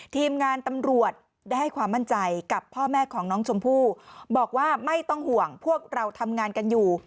ทีมงานตำรวจได้ให้ความมั่นใจกับพ่อแม่ของน้องชมพู่บอกว่าไม่ต้องห่วงพวกเราทำงานกันอยู่